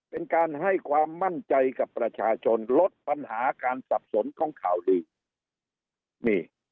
เป็นการให้ความมั่นใจกับประชาชนลดปัญหาการสับสนของข่าวดีนี่